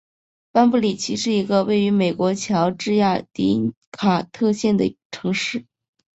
班布里奇是一个位于美国乔治亚州迪卡特县的城市。